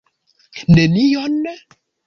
Nenion?